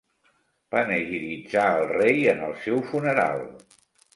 Panegiritzar el rei en el seu funeral.